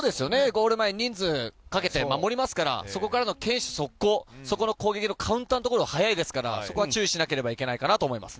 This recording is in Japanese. ゴール前に人数をかけて守りますのでそこからの堅守速攻そこのカウンターのところは速いですからね注意しなきゃいけないです。